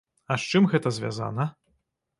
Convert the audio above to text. А з чым гэта звязана?